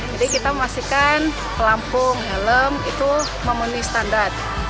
masihkan kelampung helm itu memenuhi standar